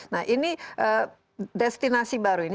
nah ini destinasi baru ini